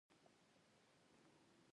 د ژوند ټول امیدونه یې په هغه پورې تړلي وو.